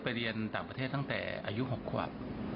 ไปเรียนต่างประเทศตั้งแต่อายุ๖ขวบ